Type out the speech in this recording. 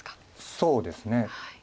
そうですね。